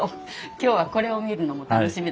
今日はこれを見るのも楽しみだったんです。